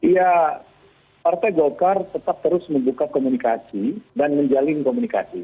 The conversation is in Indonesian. ya partai golkar tetap terus membuka komunikasi dan menjalin komunikasi